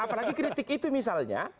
apalagi kritik itu misalnya